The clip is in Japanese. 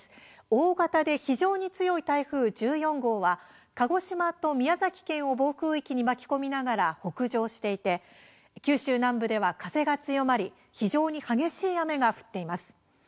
大型で非常に強い台風１４号は鹿児島と宮崎県を暴風域に巻き込みながら北上していて九州南部では風が強まり非常に激しい雨が降っています。